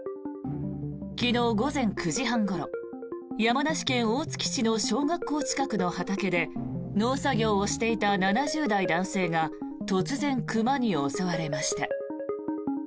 昨日午前９時半ごろ山梨県大月市の小学校近くの畑で農作業をしていた７０代男性が突然、熊に襲われました。